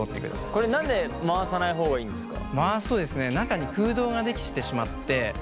これ何で回さない方がいいんですか？